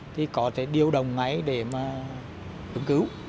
thì có thể điều đồng ngay để mà ứng cứu